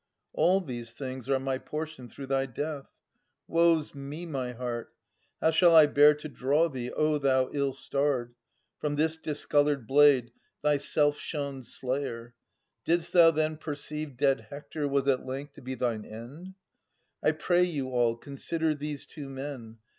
All these things are my portion through thy death. Woe 's me, my heart ! how shall I bear to draw thee, thou ill starred ! from this discoloured blade, Thy self shown slayer? Didst thou then perceive Dead Hector was at length to be thine end ?— 1 pray you all, consider these two men.